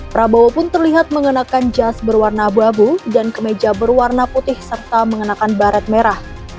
prabowo pun terlihat mengenakan jas berwarna abu abu dan kemeja berwarna putih serta mengenakan baret merah